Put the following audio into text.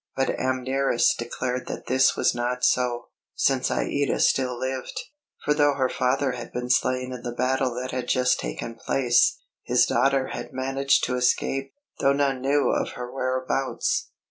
But Amneris declared that this was not so, since Aïda still lived; for though her father had been slain in the battle that had just taken place, his daughter had managed to escape, though none knew of her whereabouts.